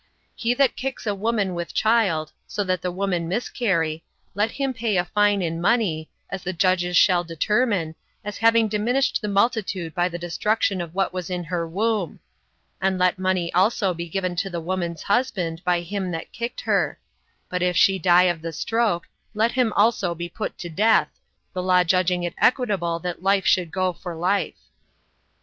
He that kicks a woman with child, so that the woman miscarry, 28 let him pay a fine in money, as the judges shall determine, as having diminished the multitude by the destruction of what was in her womb; and let money also be given the woman's husband by him that kicked her; but if she die of the stroke, let him also be put to death, the law judging it equitable that life should go for life.